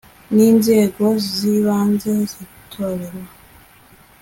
n inzego z ibanze z itorero